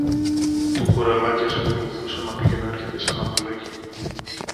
Το κουρελάκι εξακολουθούσε να πηγαινοέρχεται σα να μου λέγει: